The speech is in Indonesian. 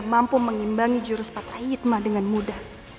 inilah yang mampu mengimbangi jurus patai hitman dengan mudah